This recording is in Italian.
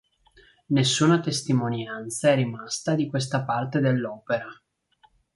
Nessuna testimonianza è rimasta di questa parte dell'opera.